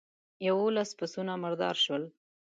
يوولس پسونه مردار شول.